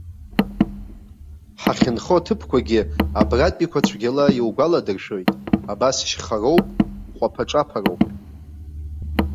Ҳахьынхо аҭыԥқәагьы абратәиқәа цәгьала иугәаладыршәоит, абас шьхароуп, ҟәаԥа-ҿаԥароуп.